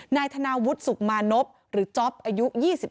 นายธนาวุฒิสุขมานพหรือจ๊อปอายุ๒๓